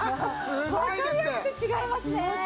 わかりやすく違いますね！